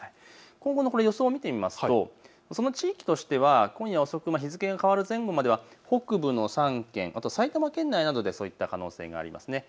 今後の予想を見てみますとその地域としては今夜遅く日付が変わる前後までは北部の３県、埼玉県内などでそういった可能性があります。